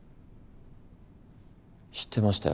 知ってましたよ